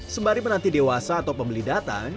sembari menanti dewasa atau pembeli datang